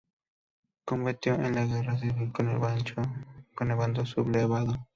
Combatió en la Guerra civil con el Bando sublevado.